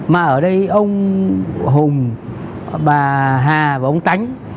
mà ở đây ông hùng bà hà và ông tánh